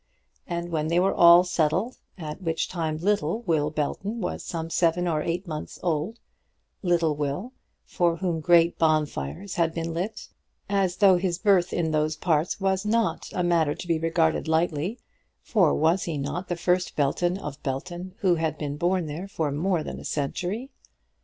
And when they were well settled, at which time little Will Belton was some seven or eight months old, little Will, for whom great bonfires had been lit, as though his birth in those parts was a matter not to be regarded lightly; for was he not the first Belton of Belton who had been born there for more than a century?